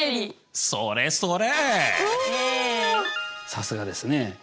さすがですね。